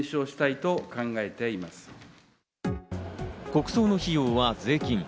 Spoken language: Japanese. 国葬の費用は税金。